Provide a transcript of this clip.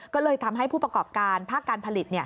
ก็เลยทำให้ผู้ประกอบการภาคการผลิต